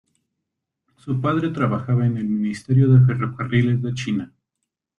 Su padre trabajaba en el ministerio de ferrocarriles de China.